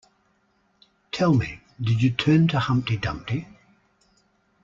Tell me, did you turn to Humpty Dumpty?